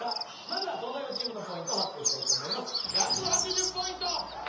まずは東大王チームのポイントを発表したいと思います